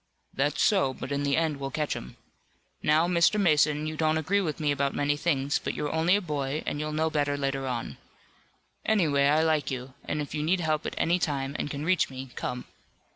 "That's so, but in the end we'll catch 'em. Now, Mr. Mason, you don't agree with me about many things, but you're only a boy and you'll know better later on. Anyway, I like you, and if you need help at any time and can reach me, come."